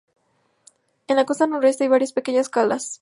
En la costa noreste, hay varias pequeñas calas.